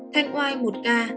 thanh oai một ca